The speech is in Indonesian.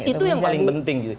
itu yang paling penting